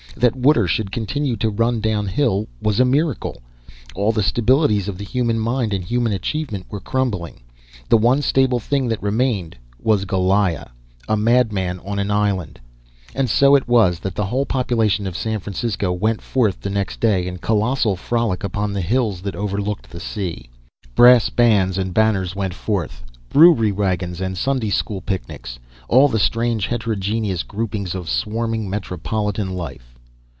That water should continue to run downhill was a miracle. All the stabilities of the human mind and human achievement were crumbling. The one stable thing that remained was Goliah, a madman on an island. And so it was that the whole population of San Francisco went forth next day in colossal frolic upon the hills that overlooked the sea. Brass bands and banners went forth, brewery wagons and Sunday school picnics all the strange heterogeneous groupings of swarming metropolitan life.